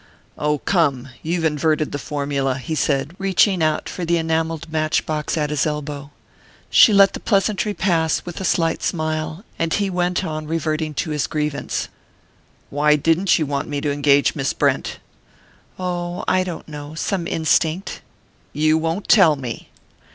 "Oh, come you've inverted the formula," he said, reaching out for the enamelled match box at his elbow. She let the pleasantry pass with a slight smile, and he went on reverting to his grievance: "Why didn't you want me to engage Miss Brent?" "Oh, I don't know...some instinct." "You won't tell me?"